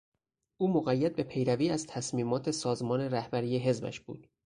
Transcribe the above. او مقید به پیروی از تصمیمات سازمان رهبری حزبش بود.